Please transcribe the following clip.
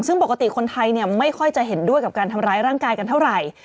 ซึ่งปกติคนไทยเนี่ยไม่ค่อยจะเห็นด้วยกับการทำร้ายร่างกายกันเท่าไหร่